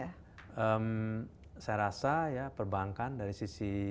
saya rasa ya perbankan dari sisi